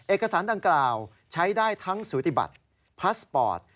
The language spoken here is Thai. เอกสารดังกล่าวใช้ได้ทั้งสูติบัติพาสปอร์ต